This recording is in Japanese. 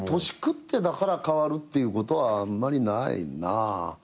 年食ってだから変わるっていうことはあんまりないなぁ。